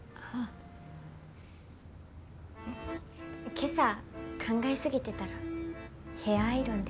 今朝考えすぎてたらヘアアイロンで。